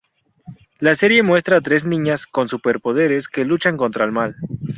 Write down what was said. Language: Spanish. La serie muestra a tres niñas con superpoderes que luchan contra el mal.